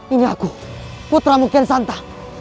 ini aku putra mukien santa